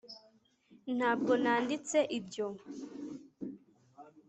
ntabwo nanditse ibyo